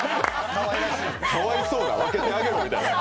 かわいそうだ、分けてあげろみたいな。